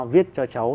viết cho cháu